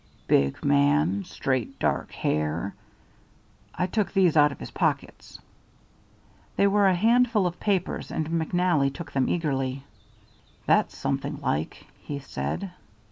"Big man straight dark hair. I took these out of his pockets." They were a handful of papers, and McNally took them eagerly. "That's something like," he said.